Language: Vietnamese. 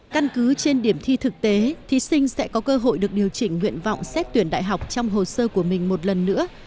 căn cứ trên điểm thi thực tế thí sinh sẽ có cơ hội được điều chỉnh nguyện vọng xét tuyển đại học trong hồ sơ của mình một lần nữa